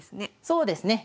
そうですね。